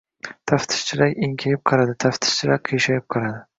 Taftishchilar enkayib qaradi. Taftishchilar qiyshayib qaradi.